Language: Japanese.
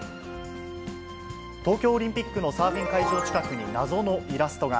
東京オリンピックのサーフィン会場近くに謎のイラストが。